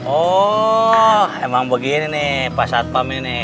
oh emang begini nih pak ustadz pam ini